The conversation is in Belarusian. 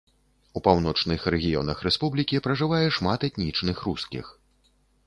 У паўночных рэгіёнах рэспублікі пражывае шмат этнічных рускіх.